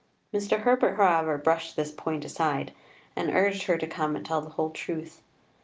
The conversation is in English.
Mr. Herbert, however, brushed this point aside, and urged her to come and tell the whole truth.